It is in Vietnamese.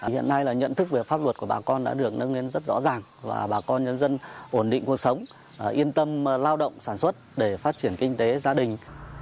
hiện nay là nhận thức về pháp luật của bà con đã được nâng lên rất rõ ràng và bà con nhân dân ổn định cuộc sống yên tâm lao động sản xuất để phát triển kinh tế gia đình